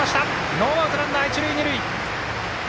ノーアウト、ランナー、一塁二塁。